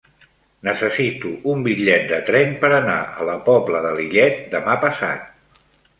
Necessito un bitllet de tren per anar a la Pobla de Lillet demà passat.